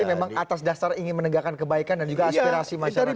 jadi memang atas dasar ingin menegakkan kebaikan dan juga aspirasi masyarakat